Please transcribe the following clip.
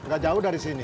gak jauh dari sini